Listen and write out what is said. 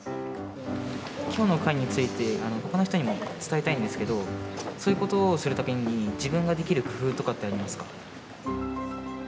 今日の会について他の人にも伝えたいんですけどそういうことをする時に自分ができる工夫とかありますか。